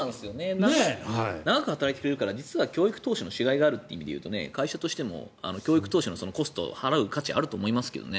長く働けるから実は教育投資のし甲斐があるというと会社としても教育投資のコストを払う価値があると思いますけどね。